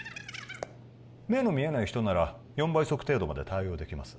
目の見えない人なら４倍速程度まで対応できます